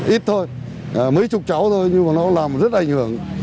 ít thôi mấy chục cháu thôi nhưng mà nó làm rất ảnh hưởng